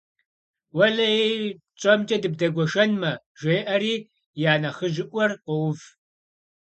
- Уэлэхьи, тщӀэмкӀэ дыбдэгуэшэнмэ, - жеӀэри я нэхъыжьыӀуэр къоув.